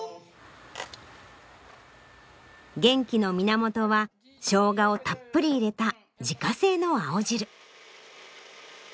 元気の源はしょうがをたっぷり入れた自家製の青汁。